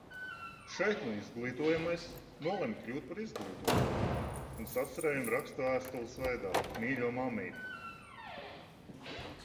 Šeit nu izglītojamais nolemj kļūt par izglītotāju un sacerējumu raksta vēstules veidā: Mīļo, mammīt!